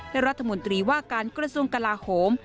และรัฐมนตรีว่าการกระทรวงกลาโหม